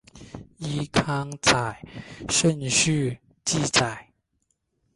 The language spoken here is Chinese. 依刊载顺序记载。